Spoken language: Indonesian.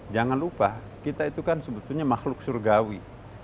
jangan lupa kita itu kan sebetulnya makhluk surgawi